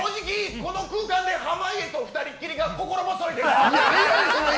この空間の中で濱家と２人きりが心細いです。